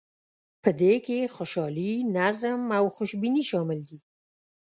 په دې کې خوشحالي، نظم او خوشبیني شامل دي.